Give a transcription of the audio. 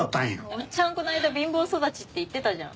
おっちゃんこの間貧乏育ちって言ってたじゃん。